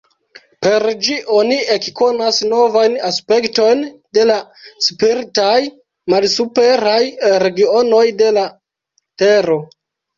Per ĝi oni ekkonas novajn aspektojn de la spiritaj malsuperaj regionoj de la Tero.